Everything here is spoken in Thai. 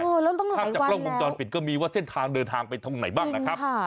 แล้วต้องรอภาพจากกล้องวงจรปิดก็มีว่าเส้นทางเดินทางไปตรงไหนบ้างนะครับ